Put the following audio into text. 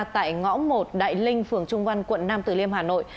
tại ngõ một đại linh phường trung văn quận nam tử liêm hà nội